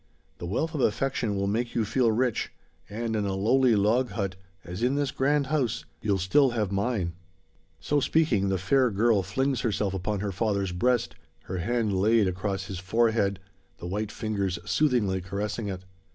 The wealth of affection will make you feel rich; and in a lowly log hut, as in this grand house, you'll still have mine." So speaking, the fair girl flings herself upon her father's breast, her hand laid across his forehead, the white fingers soothingly caressing it.